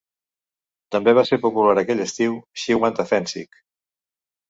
També va ser popular aquell estiu "She Want a Phensic".